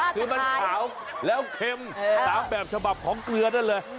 คือมันขาวแล้วเค็มตามแบบฉบับของเกลือนั่นเลย